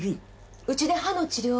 うちで歯の治療を。